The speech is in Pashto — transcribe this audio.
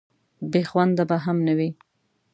بې خونده به هم نه وي.